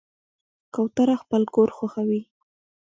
کوتره خپل کور خوښوي.